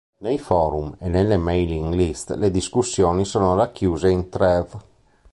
Nei forum e nelle mailing-list le discussioni sono racchiuse in thread.